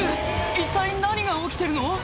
一体何が起きてるの？